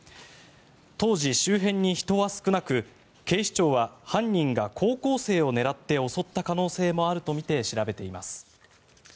当時、周辺に人は少なく警視庁は犯人が高校生を狙って襲った可能性もあるとみて調べています。